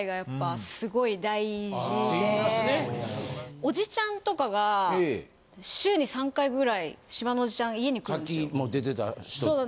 おじちゃんとかが週に３回ぐらい島のおじちゃんが家に来るんですよ。